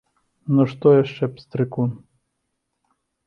Ну, што яшчэ, пстрыкун?